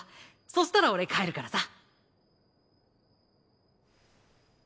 そしたら俺帰るからさ。